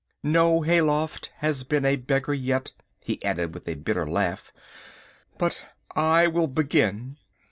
No Hayloft has been a beggar yet," he added with a bitter laugh, "but I will begin."